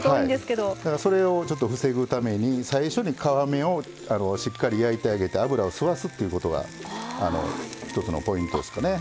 それを防ぐために最初に皮目をしっかり焼いてあげて油を吸わすっていうことが一つのポイントですかね。